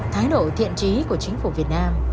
thái độ thiện trí của chính phủ việt nam